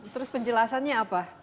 terus penjelasannya apa